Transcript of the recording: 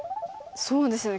そうですね。